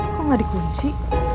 kok gak dikunci